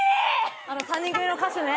あの３人組の歌手ね。